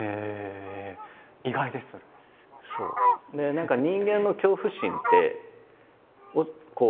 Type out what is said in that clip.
何か人間の恐怖心ってこう